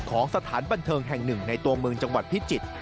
ของสถานบันเทิงแห่ง๑ในตัวเมืองจังหวัดพิษจิต